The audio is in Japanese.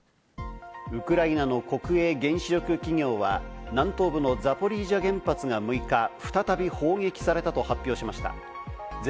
ウクライナの国営原子力企業は南東部のザポリージャ原発が６日、再び砲撃されたと発表しました。